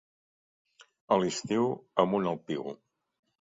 A l'estiu, amunt el piu.